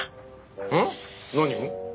えっ？何を？